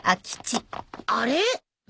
あれ？